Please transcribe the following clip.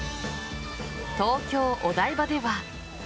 東京・お台場では。